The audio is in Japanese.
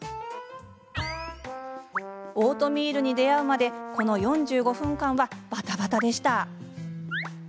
オートミールに出会うまでこの４５分間はばたばたでした。